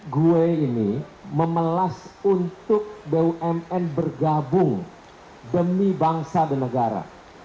gue ini memelas untuk bumn bergabung demi bangsa dan negara